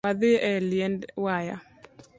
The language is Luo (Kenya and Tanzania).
Wadhii e liend waya